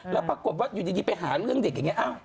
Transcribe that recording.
แล้วปรากฏว่าอยู่ดีไปหาเรื่องเด็กอย่างนี้